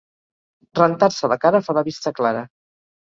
Rentar-se la cara fa la vista clara.